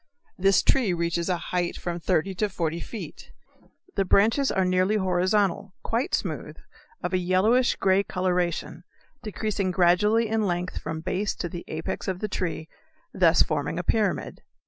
This tree reaches a height of from thirty to forty feet. The branches are nearly horizontal, quite smooth, of a yellowish grey coloration, decreasing gradually in length from base to the apex of the tree, thus forming a pyramid.